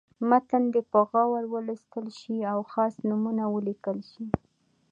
متن دې په غور ولوستل شي او خاص نومونه ولیکل شي.